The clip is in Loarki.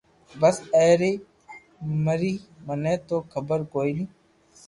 بس اي ري مري مني تو حبر ڪوئي ني